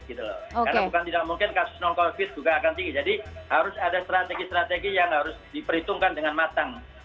karena bukan tidak mungkin kasus non covid juga akan tinggi jadi harus ada strategi strategi yang harus diperhitungkan dengan matang